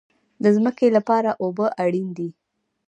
د ځمکې لپاره اوبه اړین دي